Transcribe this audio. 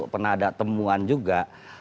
pernah ada temuan juga